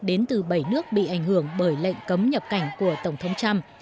đến từ bảy nước bị ảnh hưởng bởi lệnh cấm nhập cảnh của tổng thống trump